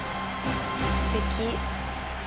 すてき。